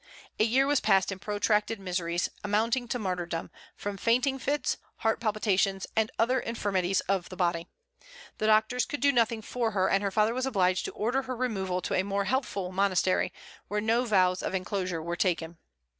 A year was passed in protracted miseries, amounting to martyrdom, from fainting fits, heart palpitations, and other infirmities of the body. The doctors could do nothing for her, and her father was obliged to order her removal to a more healthful monastery, where no vows of enclosure were taken.